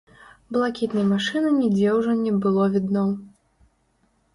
Блакітнай машыны нідзе ўжо не было відно.